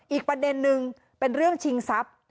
อีกประเด็นนึงเป็นเรื่องชิงทรัพย์